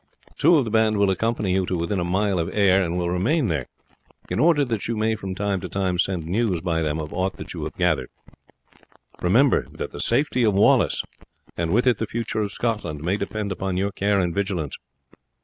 Two of the band will accompany you to within a mile of Ayr, and will remain there in order that you may from time to time send news by them of aught that you have gathered. Remember that the safety of Wallace, and with it the future of Scotland, may depend upon your care and vigilance.